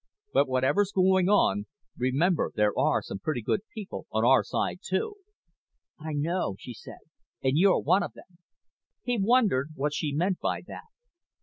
But whatever's going on, remember there are some pretty good people on our side, too." "I know," she said. "And you're one of them." He wondered what she meant by that.